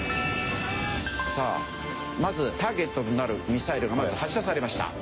さあまずターゲットとなるミサイルがまず発射されました。